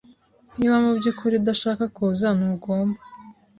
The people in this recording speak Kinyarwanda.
Niba mubyukuri udashaka kuza, ntugomba.